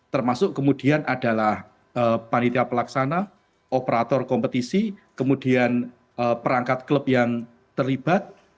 termasuk kemudian adalah panitia pelaksana operator kompetisi kemudian perangkat klub yang terlibat